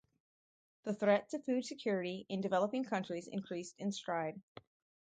The threat to food security in developing countries increased in stride.